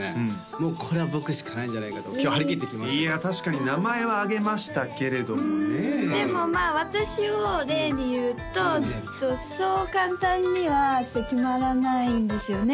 もうこれは僕しかないんじゃないかと今日張り切って来ましたいや確かに名前は挙げましたけれどもねえでもまあ私を例に言うとちょっとそう簡単には決まらないんですよね？